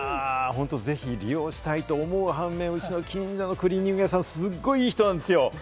ぜひ利用したいと思う反面、うちの近所のクリーニング屋さん、すごい良い人なんですよ。